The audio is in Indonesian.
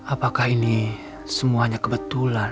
apakah ini semuanya kebetulan